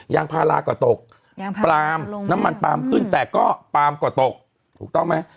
ยางพาราก็ตกยางปลามน้ำมันปลามขึ้นแต่ก็ปาล์มก็ตกถูกต้องไหม